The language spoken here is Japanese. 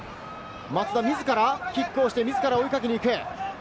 松田自らキックをして、自ら追いかけに行く。